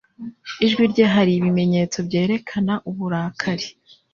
Ijwi rye hari ibimenyetso byerekana uburakari.